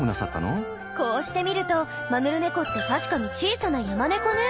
こうして見るとマヌルネコってたしかに「小さなヤマネコ」ね。